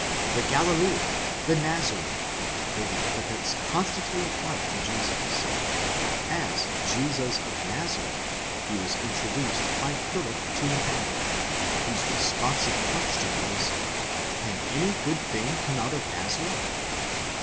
The Galilean, the Nazar ene—were the epithets constantly applied to Jesus. As Jesus of Nazareth he was introduced by Philip to Nathanael, whose responsive question was, Can any good thing come out of Nazareth?